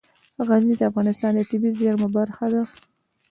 غزني د افغانستان د طبیعي زیرمو برخه ده.